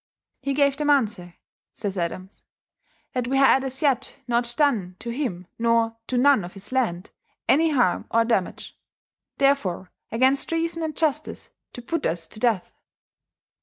He gave them answer, says Adams, "that we had as yet not doen to him nor to none of his lande any harme or dammage: therefore against Reason and Iustice to put vs to death."